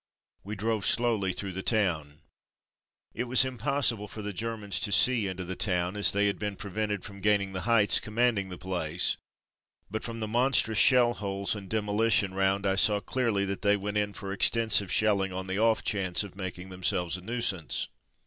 We drove slowly through the town. It was impossible for the Germans to see into the town, as they had been prevented from gaining the heights commanding the place, but from the mon strous shell holes and demolition round about I clearly saw that they went in for extensive shelling on the off chance of mak ing themselves a nuisance.